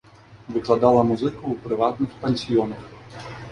Выкладала музыку ў прыватных пансіёнах.